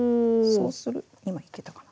そうする今いけたかな。